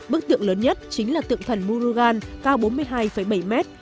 bức tượng lớn nhất chính là tượng thần murugan cao bốn mươi hai bảy mét